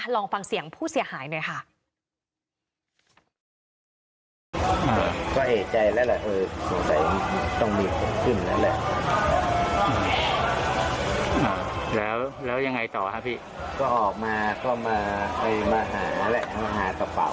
ลองฟังเสียงผู้เสียหายหน่อยค่ะ